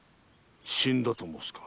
死んだと申すか。